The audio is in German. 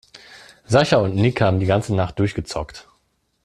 Sascha und Nick haben die ganze Nacht durchgezockt.